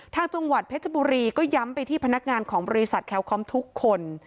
จังหวัดเพชรบุรีก็ย้ำไปที่พนักงานของบริษัทแคลคอมทุกคน